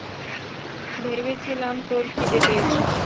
ভেবেছিলাম তোর খিদে পেয়েছে।